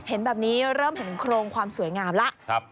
เห็นแบบนี้เริ่มเห็นโครงความสวยงามแล้ว